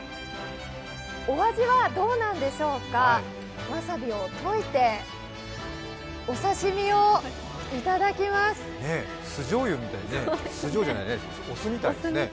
お味はどうなんでしょうか、わさびを溶いて、お刺身を頂きますお酢みたいですね。